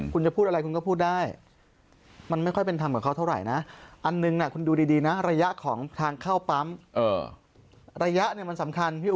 คุณจะพูดอะไรคุณก็พูดได้มันไม่ค่อยเป็นทางกับเขาเท่าไหร่นะ